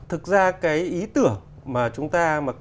thực ra cái ý tưởng mà chúng ta